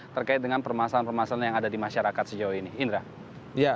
terkait dengan permasalahan permasalahan yang ada di masyarakat sejauh ini indra